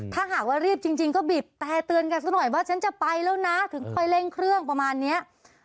ถ้าหากว่ารีบจริงก็บีบแต่เตือนกันสักหน่อยว่าฉันจะไปแล้วนะถึงค่อยเร่งเครื่องประมาณเนี้ย